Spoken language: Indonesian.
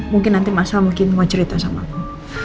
mungkin nanti mas al mungkin mau cerita sama aku